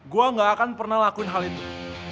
gue gak akan pernah lakuin hal itu